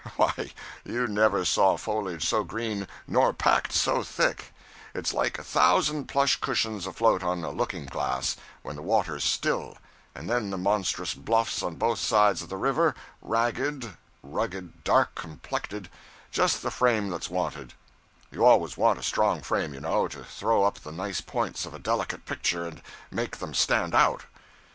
why you never saw foliage so green, nor packed so thick; it's like a thousand plush cushions afloat on a looking glass when the water 's still; and then the monstrous bluffs on both sides of the river ragged, rugged, dark complected just the frame that's wanted; you always want a strong frame, you know, to throw up the nice points of a delicate picture and make them stand out.'